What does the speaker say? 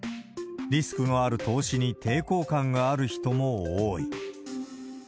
リスクのある投資に抵抗感がある人も多い。